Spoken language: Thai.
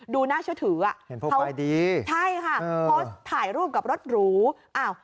ดูน่าเชื่อถืออ่ะเข้าใจดีใช่ค่ะโพสต์ถ่ายรูปกับรถหรูอ้าว